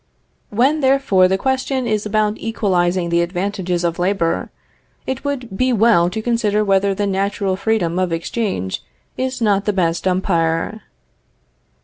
When therefore the question is about equalizing the advantages of labor, it would be well to consider whether the natural freedom of exchange is not the best umpire.